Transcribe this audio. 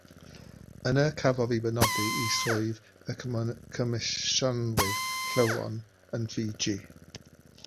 Yna cafodd ei benodi i swydd y Comisiynydd Llwon yn Fiji.